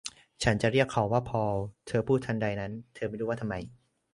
ฉันจะเรียกเขาว่าพอล เธอพูดทันใดนั้น เธอไม่รู้ว่าทำไม